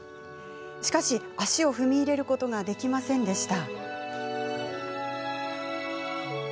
しかし、足を踏み入れることができませんでした。